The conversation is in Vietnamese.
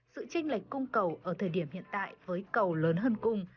sự tranh lệch cung cầu ở thời điểm hiện tại với cầu lớn hơn cung